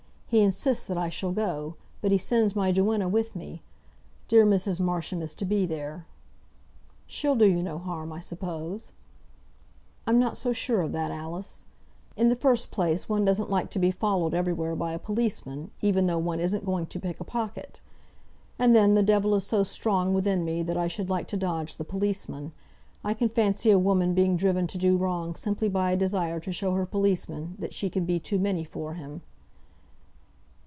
He insists that I shall go, but he sends my duenna with me. Dear Mrs. Marsham is to be there!" "She'll do you no harm, I suppose?" "I'm not so sure of that, Alice. In the first place, one doesn't like to be followed everywhere by a policeman, even though one isn't going to pick a pocket. And then, the devil is so strong within me, that I should like to dodge the policeman. I can fancy a woman being driven to do wrong simply by a desire to show her policeman that she can be too many for him."